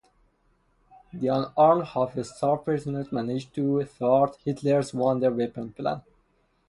The unarmed, half-starved prisoners managed to thwart Hitler's wonder weapon plan.